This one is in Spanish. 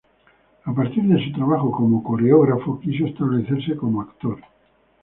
A partir de su trabajo como coreógrafo quiso establecerse como actor.